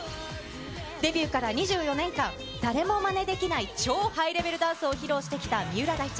デビューから２４年間、誰もまねできない超ハイレベルダンスを披露してきた三浦大知。